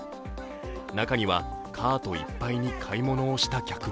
中にはカートいっぱいに買い物をした客も。